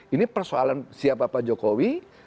ini persoalan siapa pak jokowi